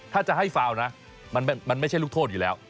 ถ้าจะให้ฟาวนะมันไม่ใช่ลูกโทษอยู่แล้ว